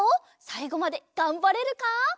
さいごまでがんばれるか？